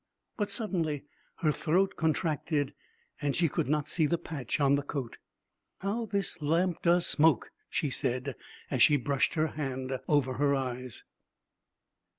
But suddenly her throat contracted and she could not see the patch on the coat. 'How this lamp does smoke!' she said, as she brushed her hand over her eyes.